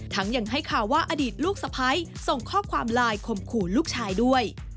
ยังให้ข่าวว่าอดีตลูกสะพ้ายส่งข้อความไลน์ข่มขู่ลูกชายด้วย